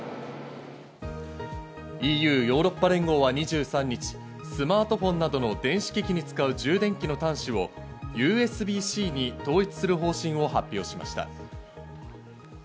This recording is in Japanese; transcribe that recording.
ＥＵ＝ヨーロッパ連合は２３日、スマートフォンなどの電子機器に使う充電器の端子をＵＳＢ−Ｃに統一する方針を発表しました。